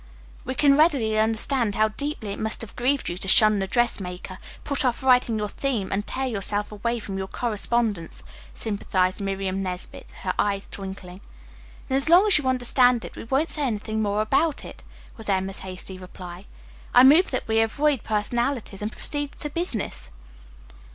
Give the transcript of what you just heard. "We can readily understand how deeply it must have grieved you to shun the dressmaker, put off writing your theme, and tear yourself away from your correspondence," sympathized Miriam Nesbit, her eyes twinkling. "Then, as long as you understand it, we won't say anything more about it," was Emma's hasty reply. "I move that we avoid personalities and proceed to business."